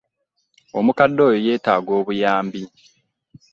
Omukadde oyo yeetaaga buyambi.